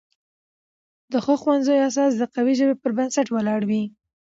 د ښو ښوونځیو اساس د قوي ژبې پر بنسټ ولاړ وي.